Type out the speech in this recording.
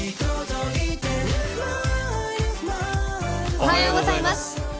おはようございます。